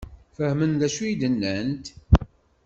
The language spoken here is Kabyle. Fehmen d acu i d-nnant?